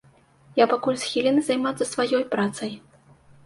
Я пакуль схілены займацца сваёй працай.